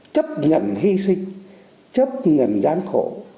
chấp nhận hy sinh chấp nhận gian khổ